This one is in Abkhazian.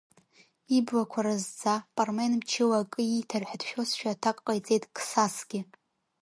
Иблақәа разӡа, Пармен мчыла акы ииҭар ҳәа дшәозшәа, аҭак ҟаиҵеит Қсасгьы…